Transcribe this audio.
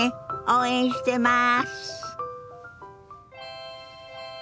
応援してます。